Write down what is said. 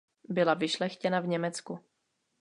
Byla vyšlechtěna v Německu.